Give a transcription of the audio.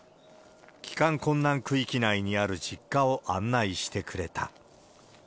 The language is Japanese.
帰還困難区域内にある実家を案内してくれた。